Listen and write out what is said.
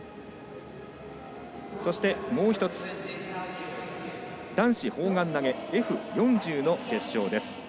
そしてもう１つ男子砲丸投げＦ４０の決勝。